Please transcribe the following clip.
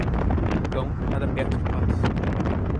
um cão nada perto de patos.